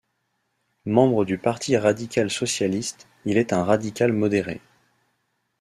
Membre du parti radical-socialiste, il est un radical modéré.